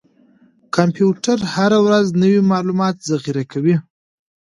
کمپیوټر هره ورځ نوي معلومات ذخیره کوي.